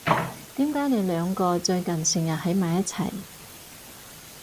點解你兩個最近成日喺埋一齊？